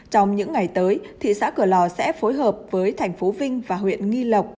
trong những ngày tới thị xã cửa lò sẽ phối hợp với tp vinh và huyện nghi lộc